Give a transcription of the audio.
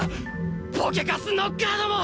ボケカスノッカーども！